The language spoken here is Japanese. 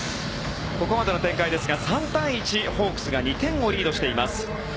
ここまでの展開ですが３対１ホークスが２点をリードしています。